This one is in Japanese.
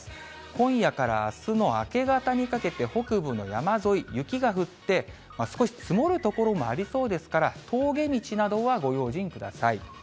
今夜からあすの明け方にかけて、北部の山沿い、雪が降って少し積もる所もありそうですから、峠道などはご用心ください。